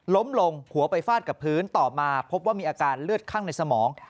ล้มลงหัวไปฟาดกับพื้นต่อมาพบว่ามีอาการเลือดข้างในสมอง